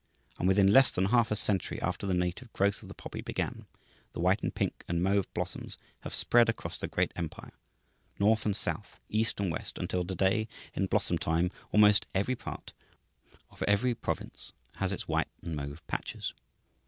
And within less than half a century after the native growth of the poppy began, the white and pink and mauve blossoms have spread across the great empire, north and south, east and west, until to day, in blossom time almost every part of every province has its white and mauve patches.